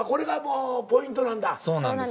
そうなんです。